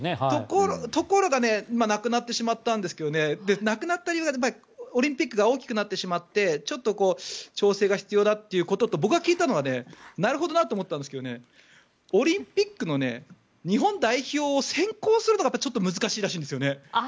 ところが今なくなってしまったんですけどねなくなった理由はオリンピックが大きくなってしまってちょっと調整が必要だということと僕が聞いたのはなるほどなと思ったんですがオリンピックの日本代表を選考するのがちょっと難しいらしいんですよね。